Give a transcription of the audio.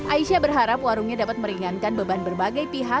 aisyah berharap warungnya dapat meringankan beban berbagai pihak